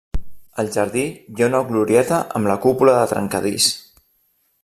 Al jardí hi ha una glorieta amb la cúpula de trencadís.